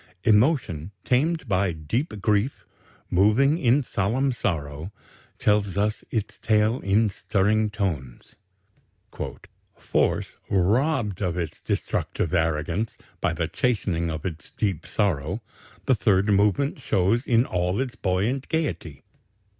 Emotion tamed by deep grief, moving in solemn sorrow, tells us its tale in stirring tones. "Force robbed of its destructive arrogance by the chastening of its deep sorrow the Third Movement shows in all its buoyant gaiety.